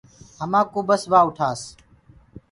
همآ ڪوُ بس ڪوآ اُٺاس۔